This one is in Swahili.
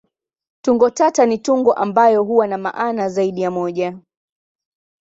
Tungo tata ni tungo ambayo huwa na maana zaidi ya moja.